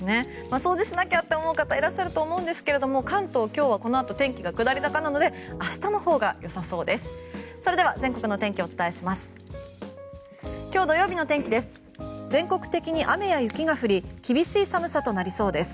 掃除しなきゃと思う方もいらっしゃると思うんですが関東、今日はこのあと天気が下り坂なので明日のほうが良さそうです。